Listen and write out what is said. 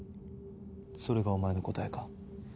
それがお前の答えか？